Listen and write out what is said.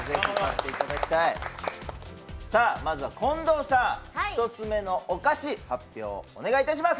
まずは近藤さん１つめのお菓子、発表お願いします。